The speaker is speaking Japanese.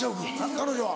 彼女は？